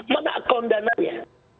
mana account dananya